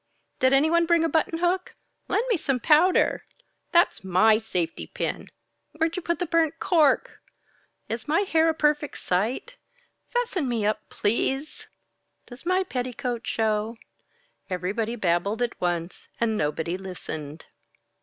"Did anyone bring a button hook?" "Lend me some powder." "That's my safety pin!" "Where'd you put the burnt cork?" "Is my hair a perfect sight?" "Fasten me up please!" "Does my petticoat show?" Everybody babbled at once, and nobody listened.